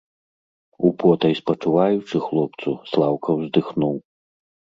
Употай спачуваючы хлопцу, Слаўка ўздыхнуў.